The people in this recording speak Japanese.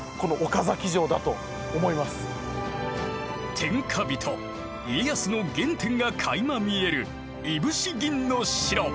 天下人家康の原点がかいま見えるいぶし銀の城。